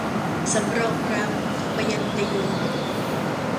สำรองรัก - ทมยันตี